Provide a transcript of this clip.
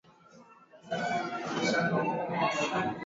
ili kuweza kuilinda serikali ya mpito ya somalia